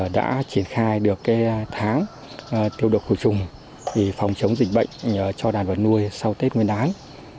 đã triển khai được tháng tiêu độc khử trùng phòng chống dịch bệnh cho đàn vật nuôi sau tết nguyên đán